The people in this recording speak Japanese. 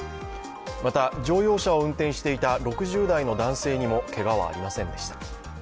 また乗用車を運転していた６０代の男性にもけがはありませんでした。